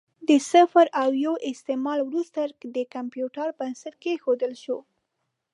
د صفر او یو استعمال وروسته د کمپیوټر بنسټ کېښودل شو.